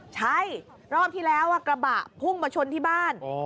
ใช่รอบที่แล้วกระบะพุ่งมาชนที่บ้าน